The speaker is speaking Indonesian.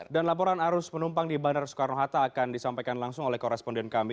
dan laporan arus penumpang di bandara soekarno hatta akan disampaikan langsung oleh koresponden kami